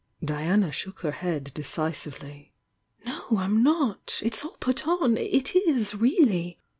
Diana shook her head decisively. "No, I'm not! It's all put on! It is, really!